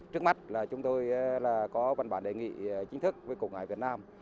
trước mắt là chúng tôi là có văn bản đề nghị chính thức với cục ngài việt nam